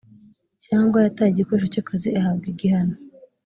cyangwa yataye igikoresho cy akazi ahabwa igihano